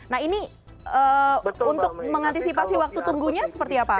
nah ini untuk mengantisipasi waktu tunggunya seperti apa